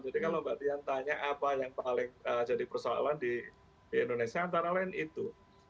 jadi kalau mbak dian tanya apa yang paling jadi persoalan di indonesia antara lain itu